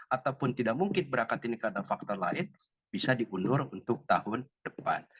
ataupun tidak mungkin berangkat ini karena faktor lain bisa diundur untuk tahun depan